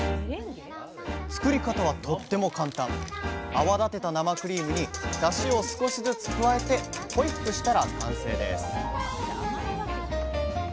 泡立てた生クリームにだしを少しずつ加えてホイップしたら完成です